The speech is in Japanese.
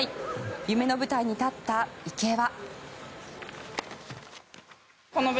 夢の舞台に立った池江は。